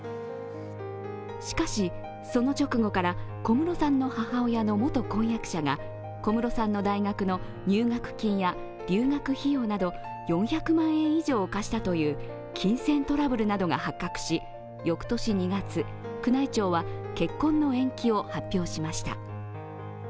しかし、その直後から小室さんの母親の元婚約者が小室さんの大学の入学金や留学費用など４００万円以上を貸したという金銭トラブルなどが発覚し、翌年２月、宮内庁は結婚の延期を発表しました。